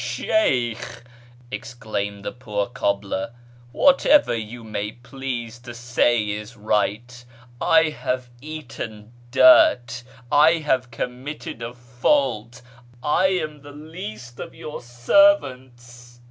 0 Sheykh !" exclaimed the poor cobbler, " Whatever you may please to say is right. I have eaten dirt ! I have committed a fault ! I am the least of your servants